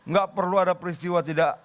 gak perlu ada peristiwa